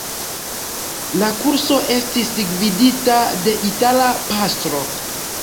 La kurso estis gvidita de itala pastro.